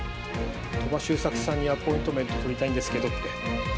鳥羽周作さんにアポイント取りたいんですけどって。